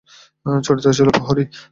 চরিত্র ছিল প্রহরী।